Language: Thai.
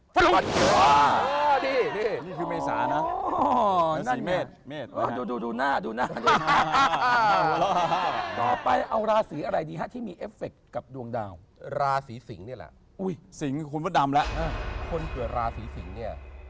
คนเกิดราศีสิงฯเนี่ย